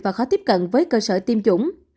và khó tiếp cận với cơ sở tiêm chủng